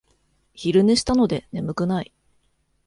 昼寝したので眠くない